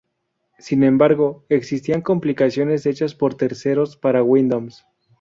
Sin embargo, existían compilaciones hechas por terceros para Windows.